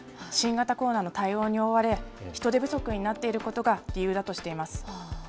新型コロナの対応に追われ、人手不足になっていることが理由だとしています。